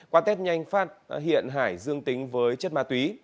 qua tết nhanh phát hiện hải dương tính với chất ma túy